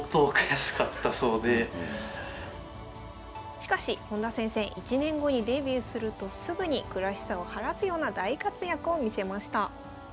しかし本田先生１年後にデビューするとすぐに悔しさを晴らすような大活躍を見せました。